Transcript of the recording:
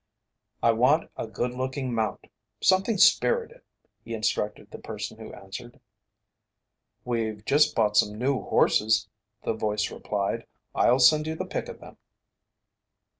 "I want a good looking mount something spirited," he instructed the person who answered. "We've just bought some new horses," the voice replied. "I'll send you the pick of them."